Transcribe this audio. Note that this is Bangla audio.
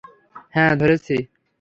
হ্যাঁ - ধরেছি।